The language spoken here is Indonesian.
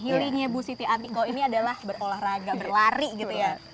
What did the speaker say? healingnya bu siti atiko ini adalah berolahraga berlari gitu ya